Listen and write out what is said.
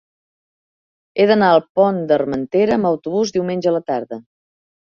He d'anar al Pont d'Armentera amb autobús diumenge a la tarda.